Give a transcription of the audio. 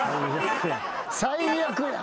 最悪やん。